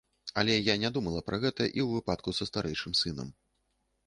Але я не думала пра гэта і ў выпадку са старэйшым сынам.